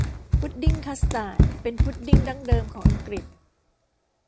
พุดดิ้งคัสตาร์ดเป็นพุดดิ้งดั้งเดิมของอังกฤษ